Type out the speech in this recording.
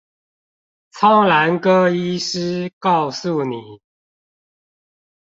蒼藍鴿醫師告訴你